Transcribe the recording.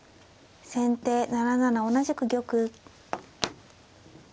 先手７七同じく玉。